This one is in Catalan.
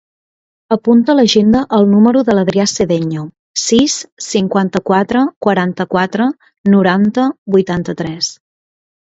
Apunta a l'agenda el número de l'Adrià Sedeño: sis, cinquanta-quatre, quaranta-quatre, noranta, vuitanta-tres.